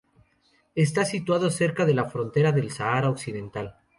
Está situado cerca de la frontera del Sahara Occidental.